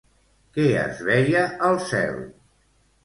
Què es veia al cel?